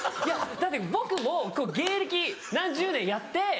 いやだって僕も芸歴何十年やって。